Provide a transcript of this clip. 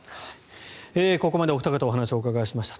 ここまでお二方にお話を伺いました。